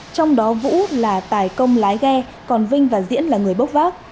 trong đó vũ là tài công lái ghe còn vinh và diễn là người bốc vác